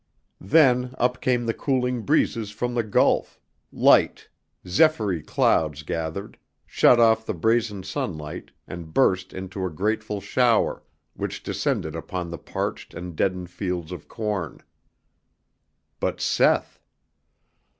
Then up came the cooling breezes from the Gulf, light, zephyry clouds gathered, shut off the brazen sunlight and burst into a grateful shower, which descended upon the parched and deadened fields of corn. But Seth!